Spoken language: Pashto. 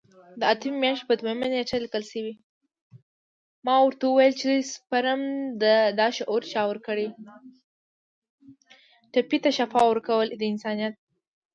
دا د اتمې میاشتې په دویمه نیټه لیکل شوی دی.